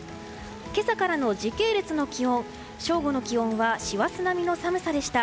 今朝からの時系列の気温正午の気温は師走並みの寒さでした。